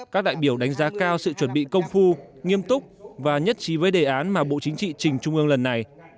các đại biểu đánh giá cao sự chuẩn bị công phu nghiêm túc và nhất trí với đề án mà bộ chính trị trình trung ương lần này